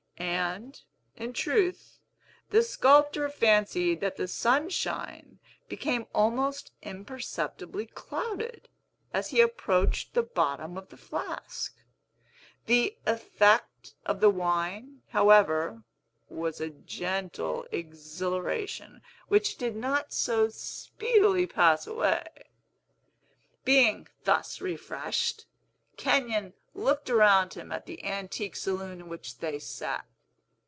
And, in truth, the sculptor fancied that the Sunshine became almost imperceptibly clouded, as he approached the bottom of the flask. The effect of the wine, however, was a gentle exhilaration, which did not so speedily pass away. Being thus refreshed, Kenyon looked around him at the antique saloon in which they sat.